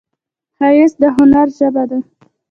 ښایست د هنر ژبه ده